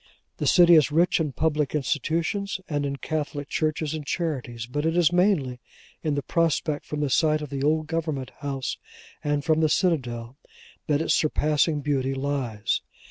The city is rich in public institutions and in Catholic churches and charities, but it is mainly in the prospect from the site of the Old Government House, and from the Citadel, that its surpassing beauty lies.